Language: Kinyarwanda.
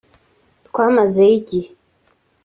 twamazeyo igihe